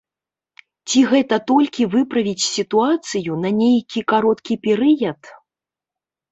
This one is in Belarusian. Ці гэта толькі выправіць сітуацыю на нейкі кароткі перыяд?